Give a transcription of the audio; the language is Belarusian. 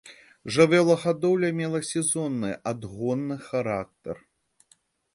Жывёлагадоўля мела сезонны адгонны характар.